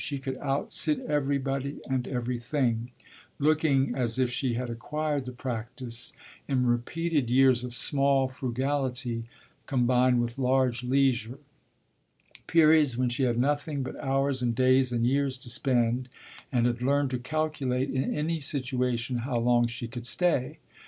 She could out sit everybody and everything; looking as if she had acquired the practice in repeated years of small frugality combined with large leisure periods when she had nothing but hours and days and years to spend and had learned to calculate in any situation how long she could stay.